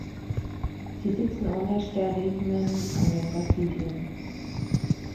Sie sitzen ohne Sterigmen an den Basidien.